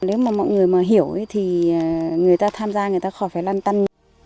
nếu mà mọi người mà hiểu thì người ta tham gia người ta khỏi phải lăn tăn